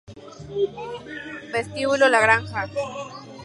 Vestíbulo La Granja